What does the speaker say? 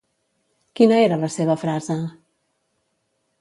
Quina era la seva frase?